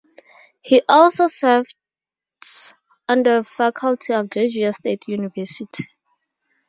He also serves on the faculty of Georgia State University.